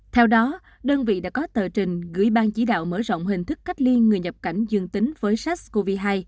theo đó đơn vị đã có tờ trình gửi bang chỉ đạo mở rộng hình thức cách ly người nhập cảnh dương tính với sars cov hai